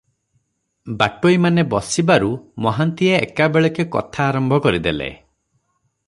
ବାଟୋଇମାନେ ବସିବାରୁ ମହାନ୍ତିଏ ଏକାବେଳକେ କଥା ଆରମ୍ଭ କରିଦେଲେ ।